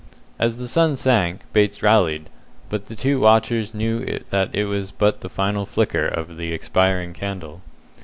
As the sun sank, Bates rallied; but the two watchers knew that it was but the final flicker of the expiring candle.